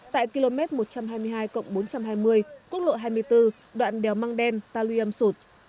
tại km một trăm hai mươi hai bốn trăm hai mươi quốc lộ hai mươi bốn đoạn đèo măng đen ta luy âm sụp